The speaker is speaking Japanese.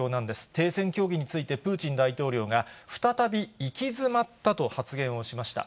停戦協議についてプーチン大統領が、再び行き詰ったと発言をしました。